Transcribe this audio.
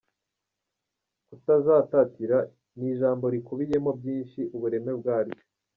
“Kutazatatira’ ni ijambo rikubiyemo byinshi, ubureme bwaryo.